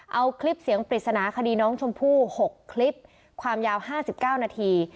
เอาคลิปเสียงปริศนาคดีน้องชมพู่๖คลิปความยาว๕๙นาที